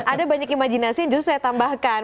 ada banyak imajinasi yang justru saya tambahkan